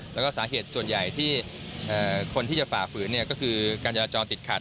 แล้วก็สาเหตุส่วนใหญ่ที่คนที่จะฝ่าฝืนก็คือการจราจรติดขัด